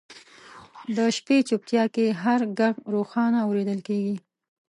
د شپې چوپتیا کې هر ږغ روښانه اورېدل کېږي.